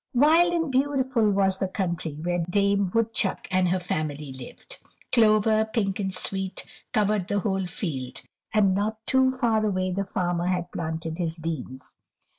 Wild and beautiful was the country where Dame Woodchuck and her family lived. Clover, pink and sweet, covered the whole field, and not too far away the farmer had planted his beans.